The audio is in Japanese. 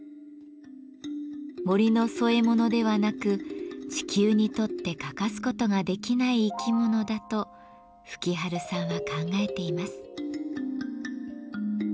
森の添え物ではなく地球にとって欠かすことができない生き物だと吹春さんは考えています。